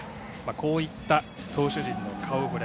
こういった投手陣の顔ぶれ。